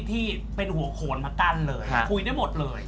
ที่เป็นหัวโขนมากั้นเลยคุยได้หมดเลย